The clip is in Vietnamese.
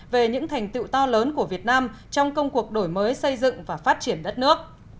về những thành tựu to lớn của việt nam trong công cuộc đổi mới xây dựng và phát triển đất nước